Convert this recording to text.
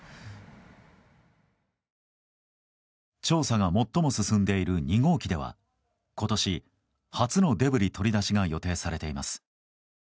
調査が最も進んでいる２号機では今年、初のデブリ取り出しが予定されています。